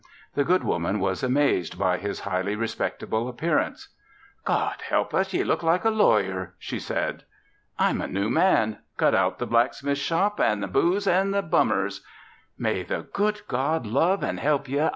The good woman was amazed by his highly respectable appearance. "God help us! Ye look like a lawyer," she said. "I'm a new man! Cut out the blacksmith shop an' the booze an' the bummers." "May the good God love an' help ye!